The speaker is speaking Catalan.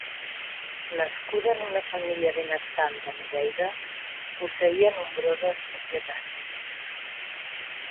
Nascuda en una família benestant de Novelda, posseïa nombroses propietats.